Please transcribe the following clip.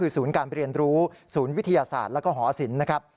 ๓ศูนย์การเปลี่ยนรู้ศูนย์วิทยาศาสตร์และหอสิน